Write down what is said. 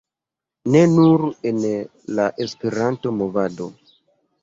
... ne nur en la Esperanto-movado